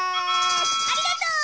ありがとう。